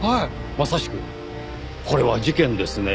まさしくこれは事件ですねぇ。